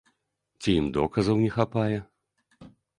Ці ім доказаў не хапае?